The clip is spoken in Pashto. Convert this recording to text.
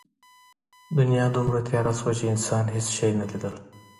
دنیا دومره تیاره شوه چې انسان هېڅ شی نه لیدل.